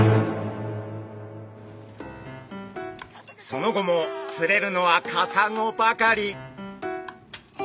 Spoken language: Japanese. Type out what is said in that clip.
その後も釣れるのはカサゴばかり。